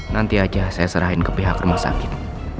nanti aja saya serahin ke pihak rumah sakit